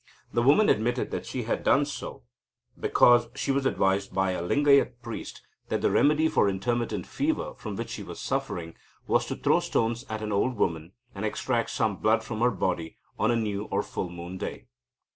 The woman admitted that she had done so, because she was advised by a Lingayat priest that the remedy for intermittent fever, from which she was suffering, was to throw stones at an old woman, and extract some blood from her body on a new or full moon day.